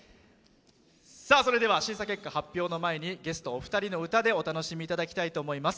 それでは審査結果発表の前にゲストお二人の歌でお楽しみいただきたいと思います。